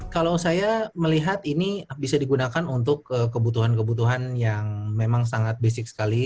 kalau saya melihat ini bisa digunakan untuk kebutuhan kebutuhan yang memang sangat basic sekali